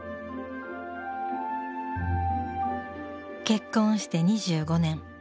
結婚して２５年。